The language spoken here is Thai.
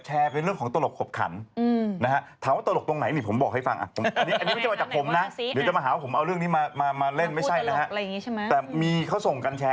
โหหลายกฎหมายที่ญี่ปุ่นนะ